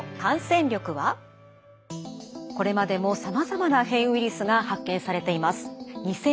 これまでもさまざまな変異ウイルスが発見されています。